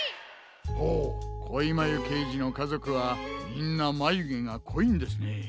ほうこいまゆけいじのかぞくはみんなまゆげがこいんですね。